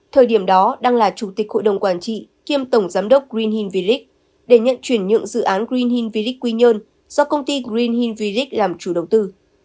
thời điểm đó đang là chủ tịch hội đồng quản trị kiêm tổng giám đốc green hill village để nhận chuyển nhượng dự án green hill village quy nhơn do công ty green hill village làm chủ đầu tư